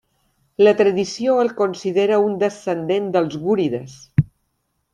La tradició el considera un descendent dels gúrides.